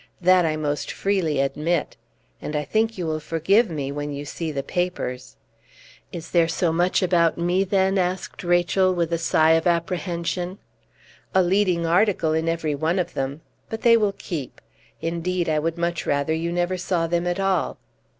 That I most freely admit. And I think you will forgive me when you see the papers!" "Is there so much about me, then?" asked Rachel, with a sigh of apprehension. "A leading article in every one of them. But they will keep. Indeed, I would much rather you never saw them at all."